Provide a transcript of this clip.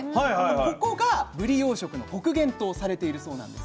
ここがぶり養殖の北限とされているそうなんです。